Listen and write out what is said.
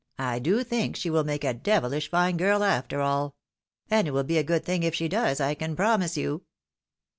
I do think she will make a devilish fine girl after all ; and it ■will be a good thing if she does, I can promise you."